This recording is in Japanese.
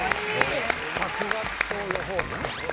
さすが気象予報士さん。